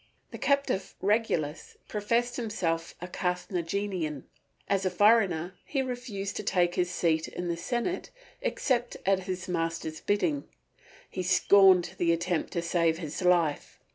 The captive Regulus professed himself a Carthaginian; as a foreigner he refused to take his seat in the Senate except at his master's bidding. He scorned the attempt to save his life.